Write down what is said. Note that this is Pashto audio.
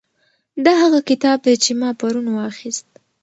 دا هغه کتاب دی چې ما پرون واخیست.